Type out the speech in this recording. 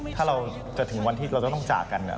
ถ้าเราจะถึงวันที่เราจะต้องจากกัน